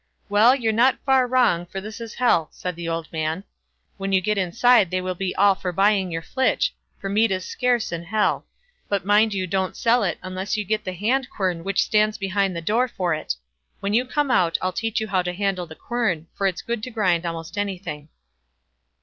"Well, you're not far wrong, for this is Hell," said the old man; "When you get inside they will be all for buying your flitch, for meat is scarce in Hell; but mind you don't sell it unless you get the hand quern which stands behind the door for it. When you come out, I'll teach you how to handle the quern, for it's good to grind almost anything."